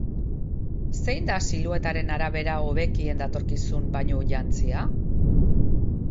Zein da siluetaren arabera hobekien datorkizun bainujantzia?